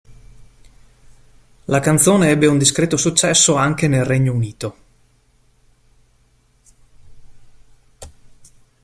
La canzone ebbe un discreto successo anche nel Regno Unito.